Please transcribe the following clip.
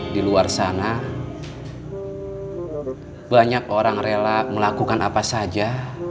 di luar sana banyak orang rela melakukan apa saja